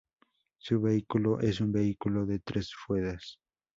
Su vehículo es un vehículo de tres ruedas.